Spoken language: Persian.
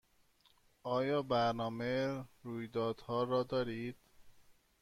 آیا برنامه رویدادها را دارید؟